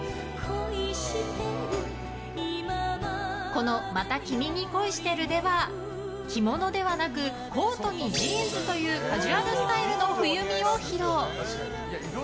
この「また君に恋してる」では着物ではなくコートにジーンズというカジュアルスタイルの冬美を披露。